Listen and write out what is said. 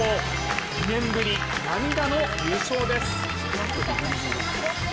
２年ぶり、涙の優勝です。